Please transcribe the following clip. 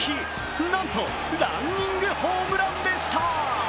なんと、ランニングホームランでした。